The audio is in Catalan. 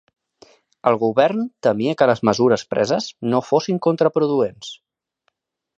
El govern temia que les mesures preses no fossin contraproduents.